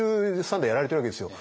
５３代やられてるわけですよ。